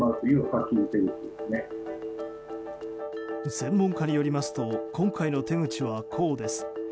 専門家によりますと今回の手口はこうです。